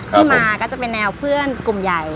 ที่มาก็จะเป็นแนวเพื่อนกลุ่มใหญ่